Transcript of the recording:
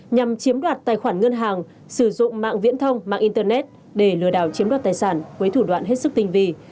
nhằm chiếm đoạt tài khoản ngân hàng sử dụng mạng viễn thông mạng internet để lừa đảo chiếm đoạt tài sản với thủ đoạn hết sức tinh vi